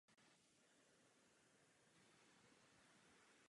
Některé druhy mají význam v lékařství.